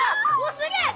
すげえ！